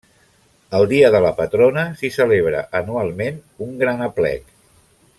El dia de la patrona s'hi celebra anualment un gran aplec.